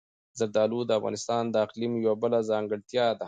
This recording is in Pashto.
زردالو د افغانستان د اقلیم یوه بله ځانګړتیا ده.